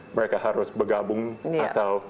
mereka harus bergabung atau